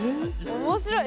面白い。